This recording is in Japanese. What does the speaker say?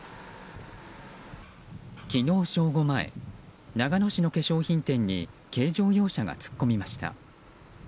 昨日正午前、長野市の化粧品店に軽乗用車が突っ込みました。